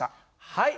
はい！